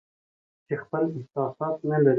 چې خپل احساسات نه لري